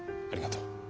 ありがとう。